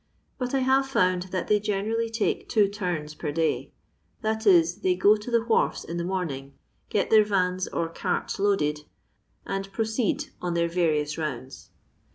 But I hare foond that they generally take two tarns per day; that is they go to the wharfs in the morning, get their Tans or carts loaded, and proceed on their various rounds.